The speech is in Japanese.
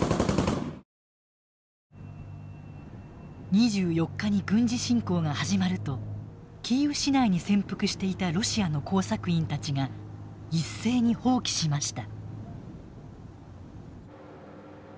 ２４日に軍事侵攻が始まるとキーウ市内に潜伏していたロシアの工作員たちが一斉に蜂起しました。